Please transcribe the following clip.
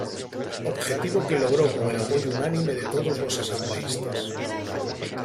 Objetivo que logró con el apoyo unánime de todos los asambleístas.